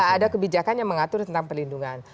ada kebijakan yang mengatur tentang pelindungan